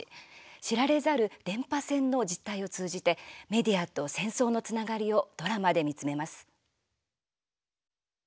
知られざる電波戦の実態を通じてメディアと戦争のつながりをドラマで見つめます。